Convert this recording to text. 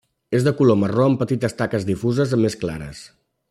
És de color marró amb petites taques difuses més clares.